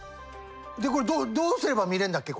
でこれどうすれば見れるんだっけ？